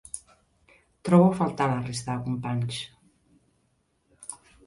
Trobo a faltar la resta de companys.